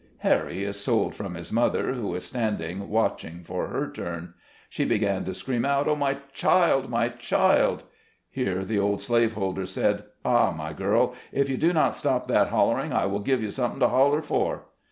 " Harry is sold from his mother, who is standing watching for her turn. She began to scream out, "Oh, my child! my child!" Here the old slave holder said, "Ah, my girl ! if you do not stop that hollering, I will give you something to holler for."